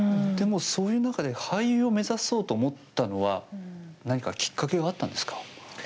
でもそういう中で俳優を目指そうと思ったのは何かきっかけがあったんですか？